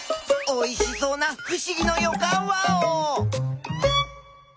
おいしそうなふしぎのよかんワオ！